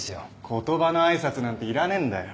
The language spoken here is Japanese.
言葉の挨拶なんていらねえんだよ。